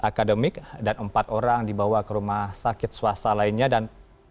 akademik dan empat orang dibawa ke rumah sakit swasta lainnya dan bisa saya review juga sedikit